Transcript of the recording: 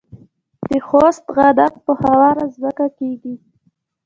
د خوست غنم په هواره ځمکه کیږي.